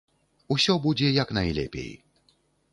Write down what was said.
Усё будзе як найлепей.